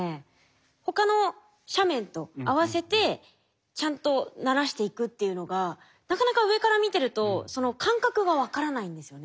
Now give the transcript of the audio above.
他の斜面と合わせてちゃんとならしていくっていうのがなかなか上から見てるとその感覚が分からないんですよね。